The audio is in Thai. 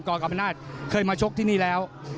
กรกรับประนาจเคยมาชกที่นี่แล้ว